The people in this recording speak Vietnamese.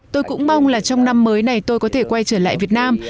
tôi cũng mong là trong năm mới này tôi có thể quay trở lại việt nam